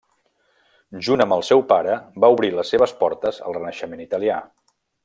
Junt amb el seu pare, va obrir les seves portes al renaixement italià.